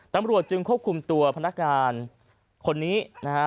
ตำรวจจึงควบคุมตัวพนักงานคนนี้นะฮะ